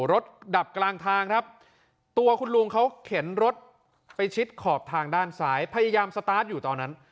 รถดับกลางทางครับตัวคุณลุงเขาเข็นรถไปชิดขอบทางด้านซ้ายพยายามสตาร์ทอยู่ตอนนั้น